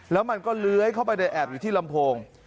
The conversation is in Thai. แล้วมันก็เลื้อยเข้าไปในแอบอยู่ที่ลำโพง